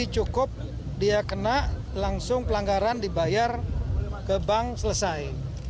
cukup dia kena langsung pelanggaran dibayar ke bank selesai